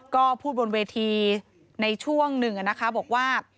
ก็พูดบนเวทีในช่วงหนึ่งนะคะบอกว่า